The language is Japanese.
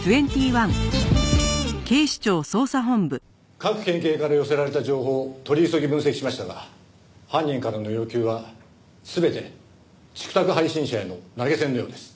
各県警から寄せられた情報を取り急ぎ分析しましたが犯人からの要求は全てＣｉｋＴａｋ配信者への投げ銭のようです。